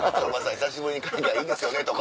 久しぶりに海外いいですよね」とか。